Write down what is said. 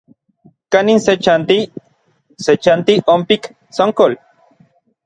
¿Kanin se chanti? Se chanti onpik Tsonkol.